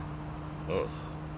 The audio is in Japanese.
ああ。